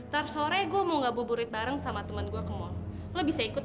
tar sore gue mau ngebuburin bareng sama teman gua ke malu bisa ikut